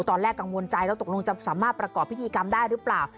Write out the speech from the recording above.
ตอนแรกกังวลใจแล้วตกลงจะสามารถประกอบพิธีกรรมได้หรือเปล่า